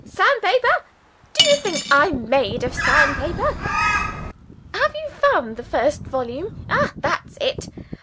(Sandpaper! Do you think I'm made of sandpaper!) Have you found the first volume? Ah, that's it.